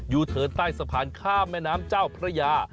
เทินใต้สะพานข้ามแม่น้ำเจ้าพระยา